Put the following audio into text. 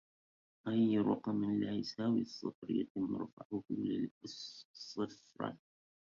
أي رقم لا يساوي الصفر يتم رفعه للأس صفر